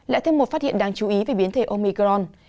lại thêm một phát hiện đáng chú ý về biến thể omicron